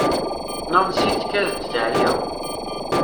Nancy tkad-d teεya.